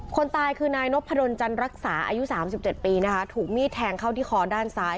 คนตายคือนายนพดลจันรักษาอายุ๓๗ปีนะคะถูกมีดแทงเข้าที่คอด้านซ้าย